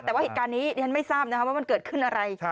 แต่ว่าเหตุการณ์นี้ดิฉันไม่ทราบว่ามันเกิดขึ้นอะไร